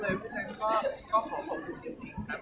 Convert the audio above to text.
เวลาแรกพี่เห็นแวว